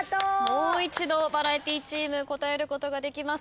もう一度バラエティチーム答えることができます。